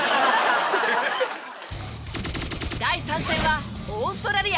第３戦はオーストラリア。